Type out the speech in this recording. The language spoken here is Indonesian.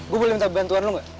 gue boleh minta bantuan lo nggak